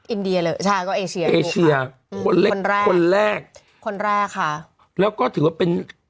อินเดียเลยใช่ก็เอเชียเอเชียคนแรกคนแรกคนแรกคนแรกค่ะแล้วก็ถือว่าเป็น